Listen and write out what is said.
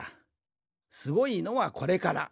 すごいのはこれから。